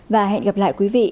và hẹn gặp lại quý vị